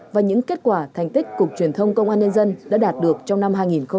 và những kết quả thành tích cục truyền thông công an nhân dân đã đạt được trong năm hai nghìn hai mươi ba